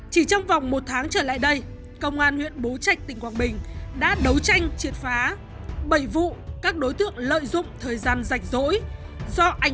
chỉ trong vòng một tháng trở lại đây công an huyện bố trạch tỉnh quảng bình đã đấu tranh triệt phá bảy vụ các đối tượng lợi dụng thời gian rảnh rỗi